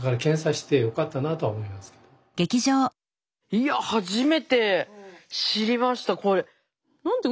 いや初めて知りましたこれ。